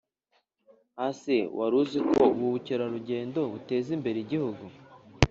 Ase waruziko ubu cyerarujyendo buteza imbere igihugu